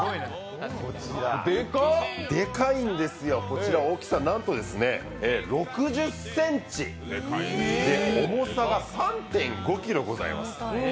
でかいんですよ、こちら大きさなんと６０ｃｍ、重さが３．５ｋｇございます。